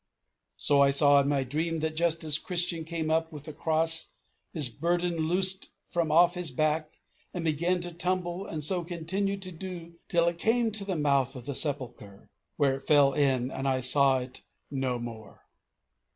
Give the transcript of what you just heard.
So I saw in my dream that just as Christian came up with the cross his burden loosed from off his back, and began to tumble and so continued to do till it came to the mouth of the sepulchre, where it fell in and I saw it no more.